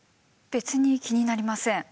別に気になりません。